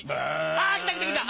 あ来た来た来た！